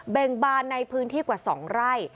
บานในพื้นที่กว่า๒ไร่